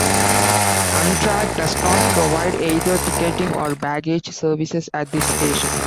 Amtrak does not provide either ticketing or baggage services at this station.